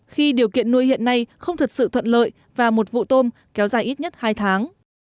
khi điều kiện nuôi hiện nay không thật sự thuận lợi và một vụ tôm kéo dài ít nhất hai tháng